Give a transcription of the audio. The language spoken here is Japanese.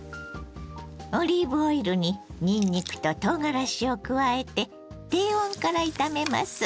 オリーブオイルににんにくととうがらしを加えて低温から炒めます。